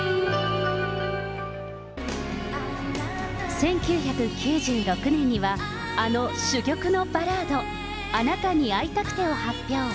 １９９６年にはあの珠玉のバラード、あなたに逢いたくてを発表。